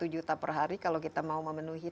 satu juta per hari kalau kita mau memenuhi